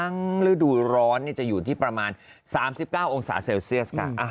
ฤดูร้อนจะอยู่ที่ประมาณ๓๙องศาเซลเซียสค่ะ